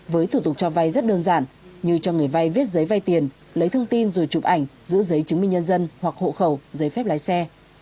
với thủ tục cho vay rất đơn giản như cho người vay viết giấy vay tiền lấy thông tin rồi chụp ảnh giữ giấy chứng minh nhân dân hoặc hộ khẩu giấy phép lái xe